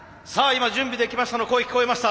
今「準備できました」の声聞こえました。